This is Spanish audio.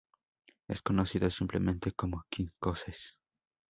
Es conocido simplemente como Quincoces.